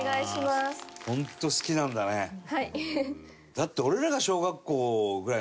だって俺らが小学校ぐらいの頃だよ。